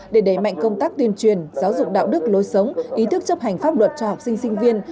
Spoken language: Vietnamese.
để đẩy mạnh công tác tuyên truyền giáo dục đạo đức lối sống ý thức chấp hành pháp luật cho học sinh sinh viên